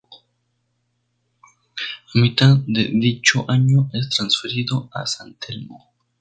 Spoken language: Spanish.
A mitad de dicho año es transferido a San Telmo.